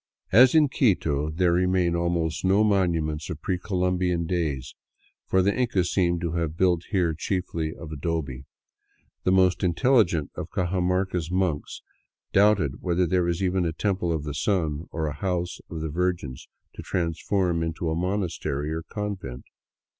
As in Quito, there remain almost no monuments of pre Conquest days, for the Incas seem to have built here chiefly of adobe. The most inteUigent of Cajamarca's monks doubted whether there was even a Temple of the Sun or a House of the Virgins to transform into monastery or convent.